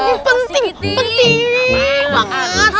ini penting penting banget